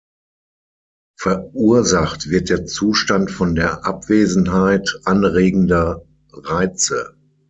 Verursacht wird der Zustand von der Abwesenheit anregender Reize.